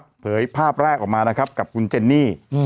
เผยภาพแรกออกมานะครับกับคุณเจนนี่